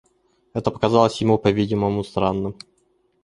Это показалось ему, по-видимому, странным.